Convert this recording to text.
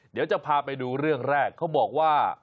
เดี๋ยวจะพาไปดูเรื่องแรกเขาบอกว่า